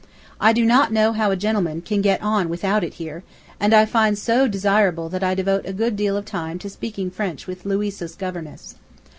I do not know how a gentleman can get on without it here, and I find it so desirable that I devote a good deal of time to speaking French with Louisa's governess.